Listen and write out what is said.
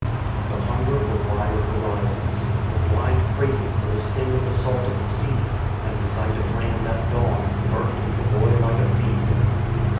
The hunger for wider horizons, the blind craving for the sting of the salt of the sea, and the sight of land at dawn, burnt in the boy like a fever.